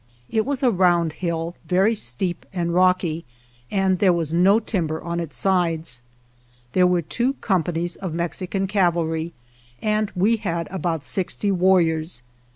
It was a round hill, very steep and rocky, and there was no timber on its sides. There were two companies of Mexican cavalry, and we had about sixty warriors.